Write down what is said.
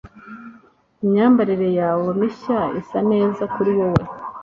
Imyambarire yawe mishya isa neza kuri wowe